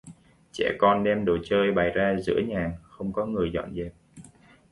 Trẻ con đem đồ chơi bày ra giữa nhà, không có người dọn dẹp